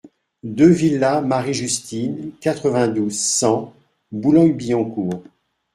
deux villa Marie-Justine, quatre-vingt-douze, cent, Boulogne-Billancourt